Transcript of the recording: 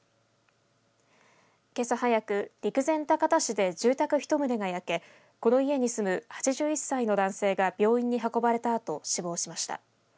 けさ早く、陸前高田市で住宅１棟が焼け、この家に住む８１歳の男性が病院に運ばれたあと死亡しました。